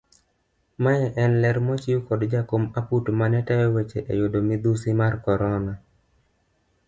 Maen ler mochiw kod jakom aput mane tayo wach eyudo midhusi mar korona.